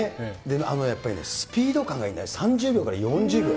あのやっぱりね、スピード感がいいね、３０秒か４０秒。